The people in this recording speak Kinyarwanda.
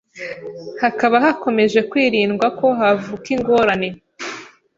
hakaba hakomeje kwirindwa ko havuka ingorane